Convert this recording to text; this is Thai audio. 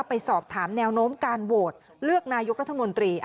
ไปสอบถามแนวโน้มการโหวตเลือกนายกรัฐมนตรี